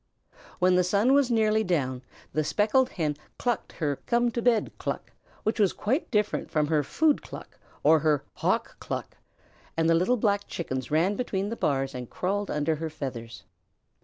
When the sun was nearly down, the Speckled Hen clucked her come to bed cluck, which was quite different from her food cluck or her Hawk cluck, and the little Black Chickens ran between the bars and crawled under her feathers.